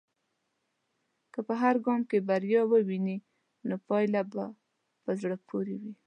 که په هر ګام کې بریا ووینې، نو پايله به په زړه پورې وي.